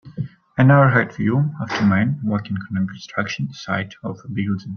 An overhead view of two men working on a construction site of a building.